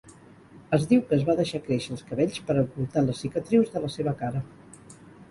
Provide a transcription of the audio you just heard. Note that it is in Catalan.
Es diu que es va deixar créixer els cabells per a ocultar les cicatrius de la seva cara.